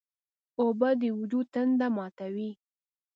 اوبه د وجود تنده ماتوي.